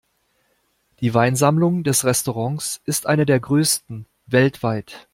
Die Weinsammlung des Restaurants ist eine der größten weltweit.